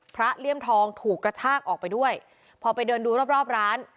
เลี่ยมทองถูกกระชากออกไปด้วยพอไปเดินดูรอบรอบร้าน